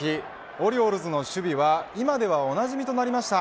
オリオールズの守備は今ではおなじみとなりました